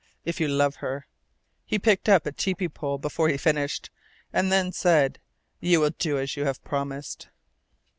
If you love her" he picked up a tepee pole before he finished, and then, said "you will do as you have promised!"